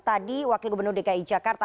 tadi wakil gubernur dki jakarta